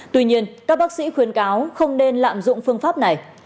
tuy nhiên các bác sĩ khuyên cáo không nên lạm dụng phương pháp này